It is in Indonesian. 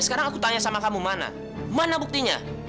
sekarang aku tanya sama kamu mana mana buktinya